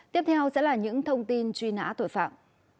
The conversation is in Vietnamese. tiếp theo sẽ là những thông tin truy nã tội phạm